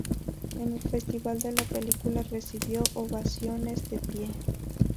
En el festival de la película recibió ovaciones de pie.